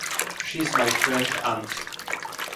She's my friend's aunt.